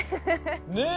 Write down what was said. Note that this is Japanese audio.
ねえ！